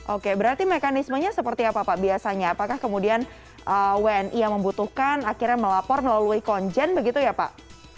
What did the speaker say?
oke berarti mekanismenya seperti apa pak biasanya apakah kemudian wni yang membutuhkan akhirnya melapor melalui konjen begitu ya pak